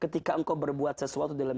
ketika engkau berbuat sesuatu di dalam dirimu